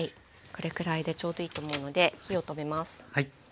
これくらいでちょうどいいと思うので火を止めます。